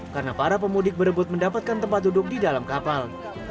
karena para pemudik berebut mendapatkan tempat duduk di dalam kapal